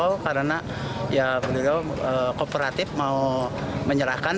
beliau karena beliau kooperatif mau menyerahkan